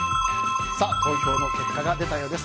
投票の結果が出たようです。